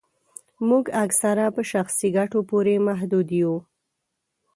موږ اکثره په شخصي ګټو پوري محدود یو